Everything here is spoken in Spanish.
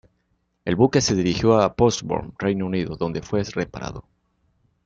El buque se dirigió a Portsmouth, Reino Unido donde fue reparado.